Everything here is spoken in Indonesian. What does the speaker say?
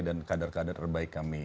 dan kader kader terbaik kami